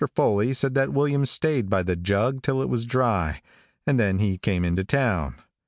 Foley said that William stayed by the jug till it was dry, and then he came into town.